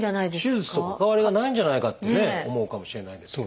手術と関わりがないんじゃないかってね思うかもしれないんですけど。